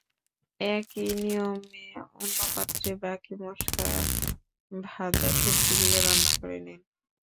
একই নিয়মে অন্য পাত্রে বাকি মসলায় ভাজা সবজিগুলো রান্না করে নিন।